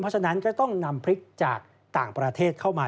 เพราะฉะนั้นก็ต้องนำพริกจากต่างประเทศเข้ามา